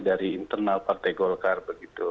dari internal partai golkar begitu